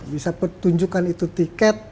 bisa pertunjukan itu tiket